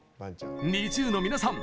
ＮｉｚｉＵの皆さん